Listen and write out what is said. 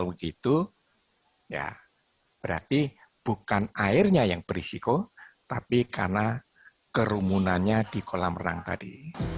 begitu ya berarti bukan airnya yang berisiko tapi karena kerumunannya di kolam renang tadi